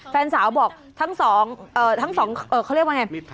แฟนสาวบอกทั้งสองทั้งสองเขาเรียกว่าไง